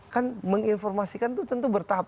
kan menginformasikan itu tentu bertahap